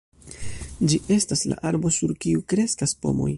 Ĝi estas la arbo sur kiu kreskas pomoj.